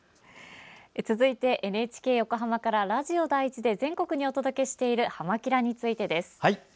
続いてＮＨＫ横浜からラジオ第１で全国にお届けしている「はま☆キラ！」についてです。